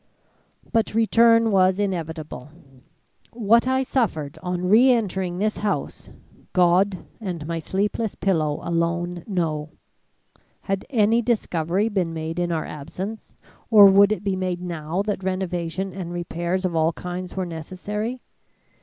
"But return was inevitable. What I suffered on re entering this house, God and my sleepless pillow alone know. Had any discovery been made in our absence; or would it be made now that renovation and repairs of all kinds were necessary?